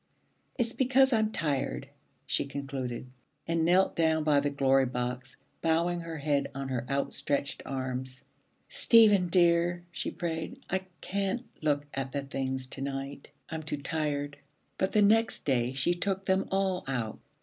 'It's because I'm tired,' she concluded, and knelt down by the Glory Box, bowing her head on her outstretched arms. 'Stephen, dear,' she prayed, 'I can't look at the things to night. I'm too tired.' But the next day she took them all out.